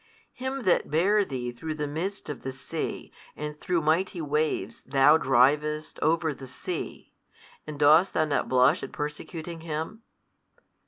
Him that bare thee through the midst of the sea and through mighty waves thou drivest over the sea, and dost thou not blush at persecuting Him?